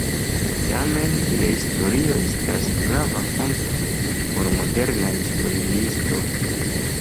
Tamen lia historio estas grava fonto por modernaj historiistoj.